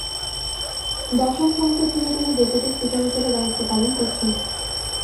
দশম সংসদ থেকে তিনি ডেপুটি স্পিকার হিসেবে দায়িত্ব পালন করছেন।